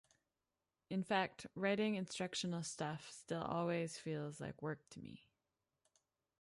In fact, writing instructional stuff still always feels like work to m.